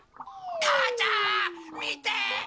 母ちゃーん見て！